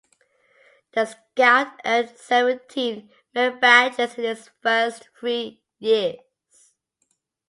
The scout earned seventeen merit badges in his first three years.